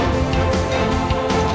bicara bahas human